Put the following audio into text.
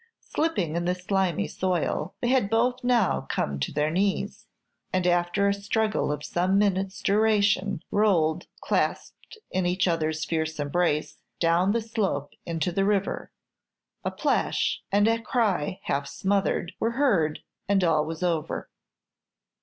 Slipping in the slimy soil, they had both now come to their knees; and after a struggle of some minutes' duration, rolled, clasped in each other's fierce embrace, down the slope into the river. A plash, and a cry half smothered, were heard, and all was over.